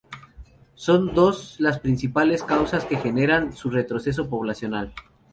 Son dos las principales causas que generan su retroceso poblacional.